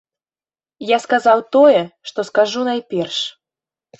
Я сказаў тое, што скажу найперш.